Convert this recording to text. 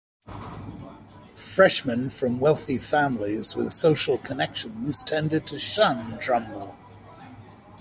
Freshmen from wealthy families with social connections tended to shun Trumbull.